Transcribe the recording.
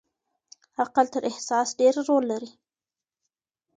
عقل تر احساس ډېر رول لري.